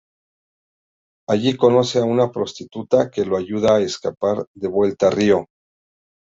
Allí conoce a una prostituta que lo ayuda a escapar de vuelta a Río.